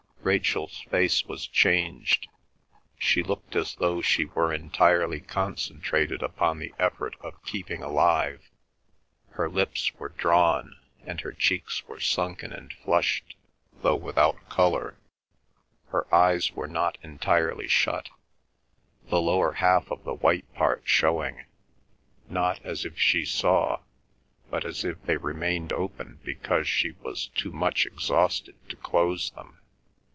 Rachel's face was changed. She looked as though she were entirely concentrated upon the effort of keeping alive. Her lips were drawn, and her cheeks were sunken and flushed, though without colour. Her eyes were not entirely shut, the lower half of the white part showing, not as if she saw, but as if they remained open because she was too much exhausted to close them.